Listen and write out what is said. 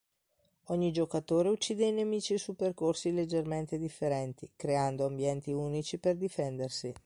Ogni giocatore uccide i nemici su percorsi leggermente differenti, creando ambienti unici per difendersi.